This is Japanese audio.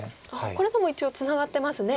これでも一応ツナがってますね